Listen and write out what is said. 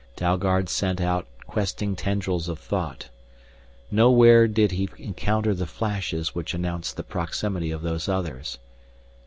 Dalgard sent out questing tendrils of thought. Nowhere did he encounter the flashes which announced the proximity of Those Others.